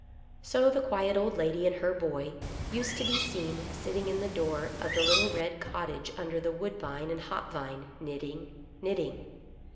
So the quiet old lady and her boy used to be seen sitting in the door of the little red cottage under the woodbine and hop vine, knitting, knitting.